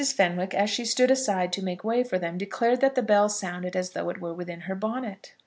Fenwick, as she stood aside to make way for them, declared that the bell sounded as though it were within her bonnet.